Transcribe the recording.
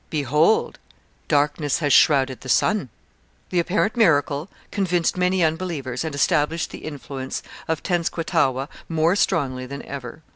Behold, darkness has shrouded the sun.' The apparent miracle convinced many unbelievers and established the influence of Tenskwatawa more strongly than ever.